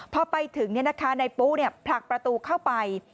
พอไปถึงนายปุ๊ผลักประตูเข้าไป